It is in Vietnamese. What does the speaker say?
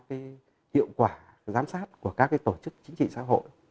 cái hiệu quả giám sát của các cái tổ chức chính trị xã hội